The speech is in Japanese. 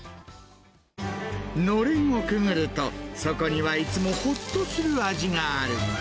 のれんをくぐると、そこにはいつもほっとする味がある。